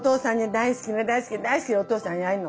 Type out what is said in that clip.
大好きな大好きな大好きなお父さんに会えるの。